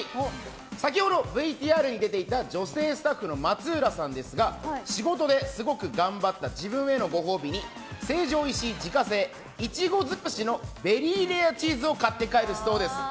先ほどＶＴＲに出ていた女性スタッフの松浦さんですが仕事ですごく頑張った自分へのご褒美に成城石井自家製苺づくしのベリーレアチーズを買って帰るそうです。